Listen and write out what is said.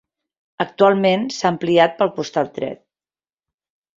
Actualment s'ha ampliat pel costat dret.